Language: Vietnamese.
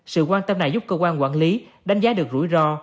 sự quan tâm này giúp cơ quan quản lý đánh giá được rủi ro